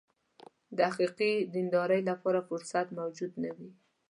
د حقیقي دیندارۍ لپاره فرصت موجود نه وي.